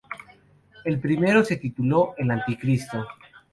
El primero se tituló "El Anti-Cristo".